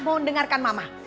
mau dengarkan mama